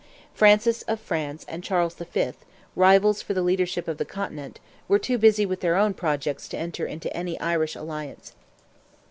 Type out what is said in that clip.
Francis of France and Charles V., rivals for the leadership of the Continent, were too busy with their own projects to enter into any Irish alliance.